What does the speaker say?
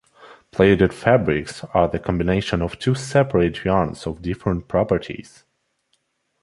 Plated fabrics are the combination of two separate yarns of different properties.